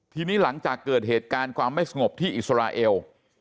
ทีนี้หลังจากเกิดเหตุการณ์ความไม่สงบที่อิสราเอล